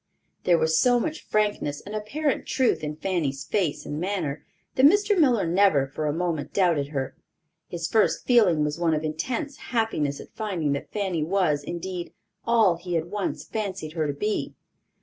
There was so much frankness and apparent truth in Fanny's face and manner that Mr. Miller never for a moment doubted her. His first feeling was one of intense happiness at finding that Fanny was, indeed, all he had once fancied her to be.